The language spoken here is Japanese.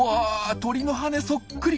鳥の羽根そっくり。